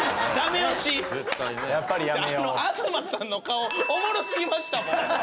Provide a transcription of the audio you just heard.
あの東さんの顔おもろすぎましたもん。